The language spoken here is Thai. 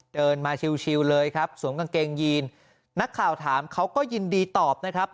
เดินมาชิวเลยครับสวมกางเกงยีนนักข่าวถามเขาก็ยินดีตอบนะครับ